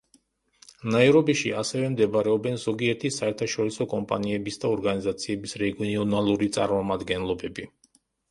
ნაირობიში ასევე მდებარეობენ ზოგიერთი საერთაშორისო კომპანიების და ორგანიზაციების რეგიონალური წარმომადგენლობები.